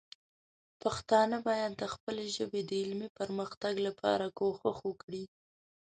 پښتانه باید د خپلې ژبې د علمي پرمختګ لپاره کوښښ وکړي.